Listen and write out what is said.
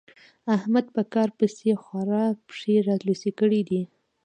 احمد په کار پسې خورا پښې رالوڅې کړې دي.